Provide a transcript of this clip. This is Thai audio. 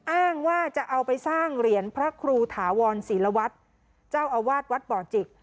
อ้างว่าจะเอาไปสร้างเหรียญพระครูถาวรศิลวัตรเจ้าอาวาสวัดบ่อจิก